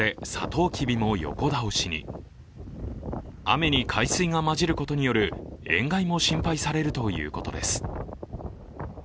雨に海水が混じることによる塩害も心配されるということです。